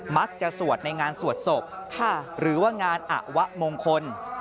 สวดในงานสวดศพหรือว่างานอวะมงคล